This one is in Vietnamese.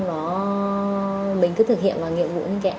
phần thu nhập cho quê nhân